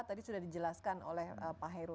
tadi sudah dijelaskan oleh pak heru